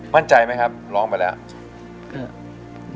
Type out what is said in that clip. มั่นใจมั้ยครับล้องไปแล้ว